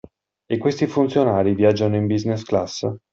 E questi funzionari viaggiano in business class?